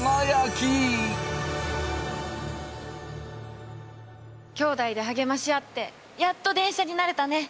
きょうだいで励まし合ってやっと電車になれたね！